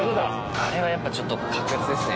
あれはやっぱちょっと格別ですね。